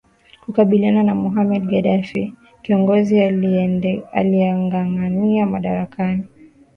kukabiliana na mohamed gaddafi kiongozi aliengangania madarakani